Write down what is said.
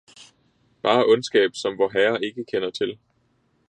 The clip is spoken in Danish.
Bare ondskab, som Vorherre ikke kender til!